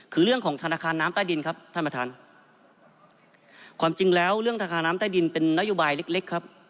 คือเรื่องของธนาคารน้ำใต้ดินครับท่านประธานความจริงแล้วเรื่องธนาคารน้ำใต้ดินเป็นนโยบายเล็กเล็กครับ